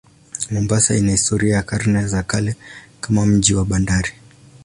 Mombasa ina historia ya karne za kale kama mji wa bandari.